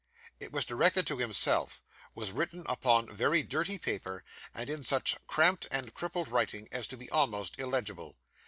It was directed to himself, was written upon very dirty paper, and in such cramped and crippled writing as to be almost illegible.